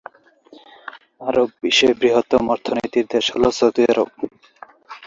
আরব বিশ্বের বৃহত্তম অর্থনীতির দেশ হল সৌদি আরব।